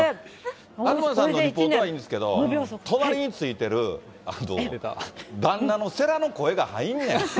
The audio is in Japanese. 東さんのリポートはいいんですけど、隣についてる旦那のせらの声が入んねん。